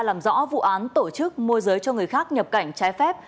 làm rõ vụ án tổ chức mua giấy cho người khác nhập cảnh trái phép